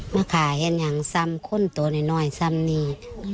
มาขายกันอย่างซ้ำคนตัวน้อยซ้ำนี่